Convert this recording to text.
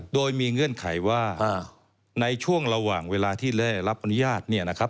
โดยมีเงื่อนไขว่าในช่วงระหว่างเวลาที่ได้รับอนุญาต